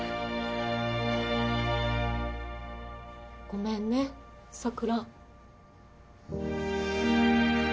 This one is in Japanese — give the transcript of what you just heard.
ごめんね桜。